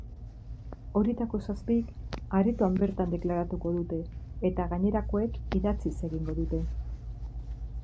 Horietako zazpik aretoan bertan deklaratuko dute, eta gainerakoek idatziz egingo dute.